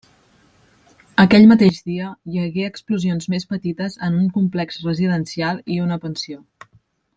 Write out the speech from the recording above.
Aquell mateix dia, hi hagué explosions més petites en un complex residencial i una pensió.